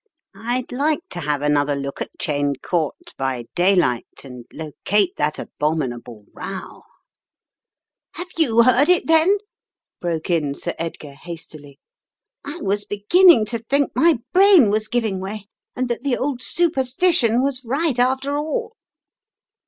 "I'd like to have an other look at Cheyne Court by daylight and locate that abominable row " "Have you heard it, then?" broke in Sir Edgar hastily. "I was beginning to think my brain was giving way, and that the old superstition was right, after all."